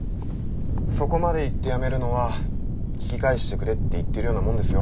そこまで言ってやめるのは聞き返してくれって言ってるようなもんですよ。